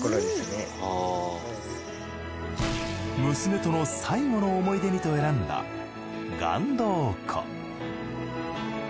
娘との最期の思い出にと選んだ岩洞湖。